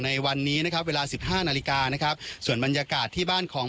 ในวันนี้นะครับเวลาสิบห้านาฬิกานะครับส่วนบรรยากาศที่บ้านของ